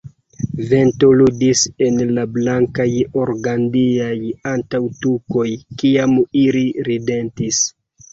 Vento ludis en la blankaj organdiaj antaŭtukoj kiam ili ridetis.